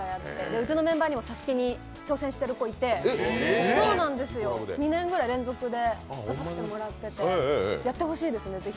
うちのメンバーにも「ＳＡＳＵＫＥ」に挑戦してる子いて、２年ぐらい連続で出させてもらっていてやってほしいですね、ぜひ。